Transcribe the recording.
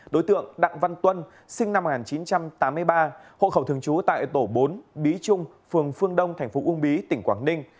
đối tượng đặng văn tuân sinh năm một nghìn chín trăm tám mươi ba hộ khẩu thường trú tại tổ bốn bí trung phường phương đông thành phố uông bí tỉnh quảng ninh